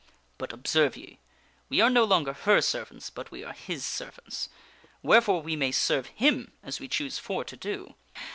But observe ye ; we are no longer her servants, but we are his servants ; wherefore we may serve him as we choose for to do.